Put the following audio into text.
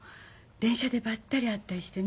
電車でばったり会ったりしてね。